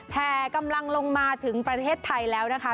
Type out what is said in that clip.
แห่กำลังลงมาถึงประเทศไทยแล้วนะคะ